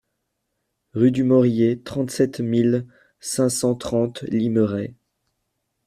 Rue du Morier, trente-sept mille cinq cent trente Limeray